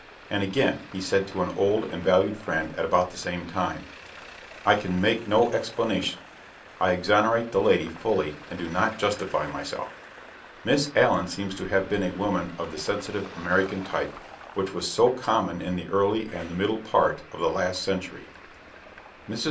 And again he said to an old and valued friend at about the same time: "I can make no explanation. I exonerate the lady fully and do not justify myself." Miss Allen seems to have been a woman of the sensitive American type which was so common in the early and the middle part of the last century. Mrs.